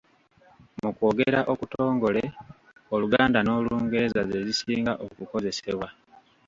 Mukwogera okutongole, Oluganda n’Olungereza ze zisinga okukozesebwa.